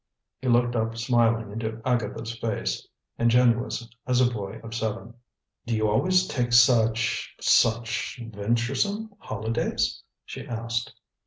He looked up smiling into Agatha's face, ingenuous as a boy of seven. "Do you always take such such venturesome holidays?" she asked.